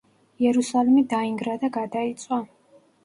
იერუსალიმი დაინგრა და გადაიწვა.